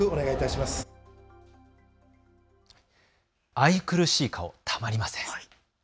愛くるしい顔、たまりません。